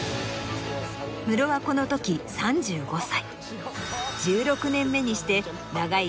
ムロはこのとき３５歳。